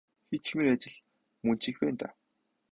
Хийчихмээр ажил мөн ч их байна даа.